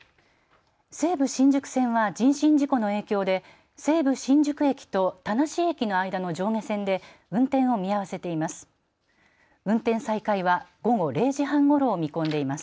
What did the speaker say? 西武新宿線は人身事故の影響で西武新宿駅と田無駅の間の上下線で運転を見合わせています。